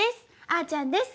あーちゃんです。